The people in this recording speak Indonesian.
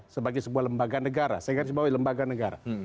sebagai sebuah lembaga negara